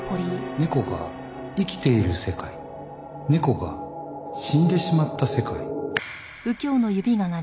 猫が生きている世界猫が死んでしまった世界。